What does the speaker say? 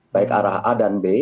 baik arah a dan b